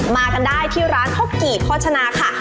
มากันได้ที่ร้านข้าวกี่โภชนาค่ะ